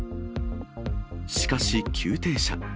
しかし、急停車。